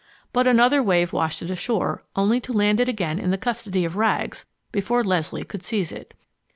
But another wave washed it ashore, only to land it again in the custody of Rags before Leslie could seize it.